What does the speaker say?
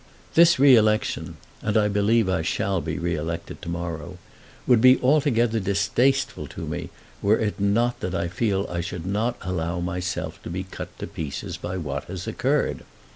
This re election, and I believe I shall be re elected to morrow, would be altogether distasteful to me were it not that I feel that I should not allow myself to be cut to pieces by what has occurred.